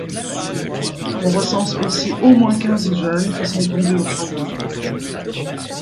On recense aussi au moins quinze jeunes qui sont tombés au champ d'honneur.